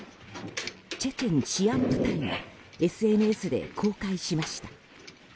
チェチェン治安部隊がＳＮＳで公開しました。